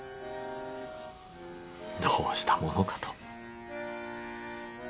どうしたものかと。